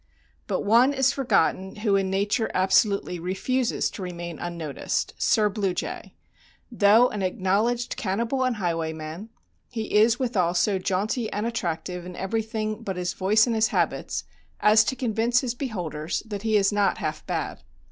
But one is forgotten who in nature absolutely refuses to remain unnoticed—Sir Blue Jay—though an acknowledged cannibal and highwayman, he is withal so jaunty and attractive in everything but his voice and his habits as to convince his beholders that he is not half bad.